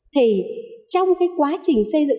thì trong cái quá trình xây dựng